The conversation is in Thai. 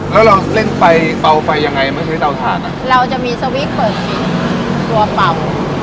แล้วเราเล่งไฟเบาไฟยังไงมันใช้เตาถาดอ่ะเราจะมีสวิตช์เปิดอีกตัวเบา